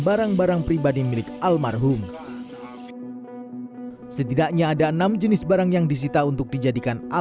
barang barang pribadi milik almarhum setidaknya ada enam jenis barang yang disita untuk dijadikan